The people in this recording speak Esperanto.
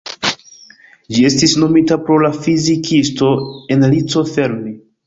Ĝi estis nomita pro la fizikisto, Enrico Fermi.